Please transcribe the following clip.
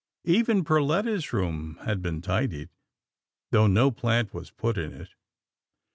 Even Perletta's room had been tidied, though no plant was put in it.